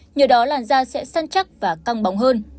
nhờ đó làn da sẽ săn chắc và căng bóng hơn